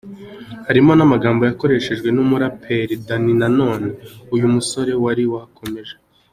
harimo amagambo yakoreshejwe numuraperi Dany Nanone, uyu musore wari wakomeje.